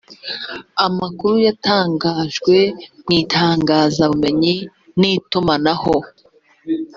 amakuru yatangajwe mu itangazabumenyi n’itumanaho